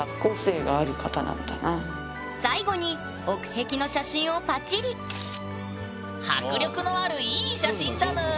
最後に奥壁の写真をパチリ迫力のあるいい写真だぬん。